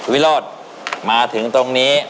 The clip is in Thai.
วิโรธมาถึงตรงนี้